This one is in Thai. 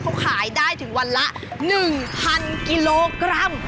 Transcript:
เขาขายได้ถึงวันละ๑๐๐กิโลกรัม